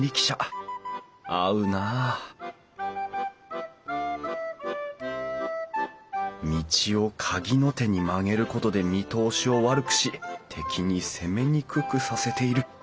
合うな道をかぎの手に曲げることで見通しを悪くし敵に攻めにくくさせている。